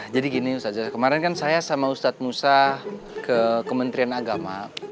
jadi gini ustazah kemarin kan saya sama ustaz musa ke kementrian agama